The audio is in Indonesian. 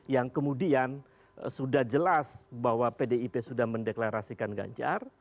yang kemudian sudah jelas bahwa pdip sudah mendeklarasikan ganjar